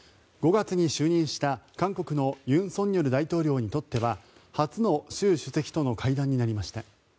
５月に就任した韓国の尹錫悦大統領にとっては初の習主席との会談になりました。